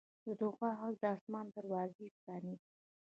د دعا غږ د اسمان دروازې پرانیزي.